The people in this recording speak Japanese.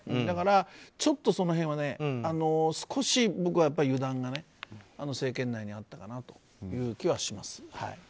だから、ちょっとその辺は少し、僕は油断が政権内にあったかなという気はします。